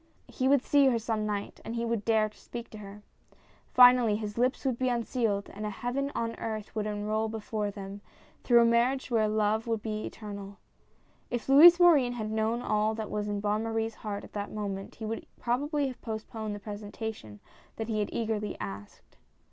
He would see her some night and he would dare to speak to her. Finally, his lips would be unsealed and a Heaven on earth would unroll before them, through a marriage where love would be Eternal. If Louis Morin had known all that was in Bonne Marie's heart, at that moment, he would probably have postponed the presentation that he had eagerly asked.